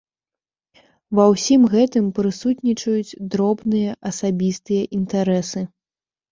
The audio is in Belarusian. Ва ўсім гэтым прысутнічаюць дробныя асабістыя інтарэсы.